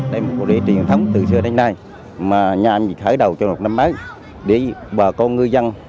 đây là một cuộc đời truyền thống từ xưa đến nay mà nhà mình khởi đầu trong một năm mới để bà con ngư dân